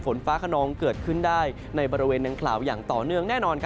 ฝนฟ้าขนองเกิดขึ้นได้ในบริเวณดังกล่าวอย่างต่อเนื่องแน่นอน